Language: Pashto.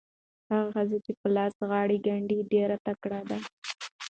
هغه ښځه چې په لاس غاړې ګنډي ډېره تکړه ده.